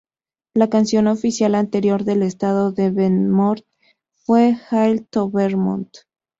La canción oficial anterior del estado de Vermont fue "Hail to Vermont!".